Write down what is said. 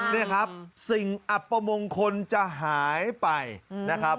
นี่ครับสิ่งอัปมงคลจะหายไปนะครับ